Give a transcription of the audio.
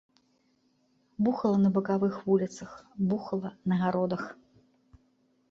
Бухала на бакавых вуліцах, бухала на гародах.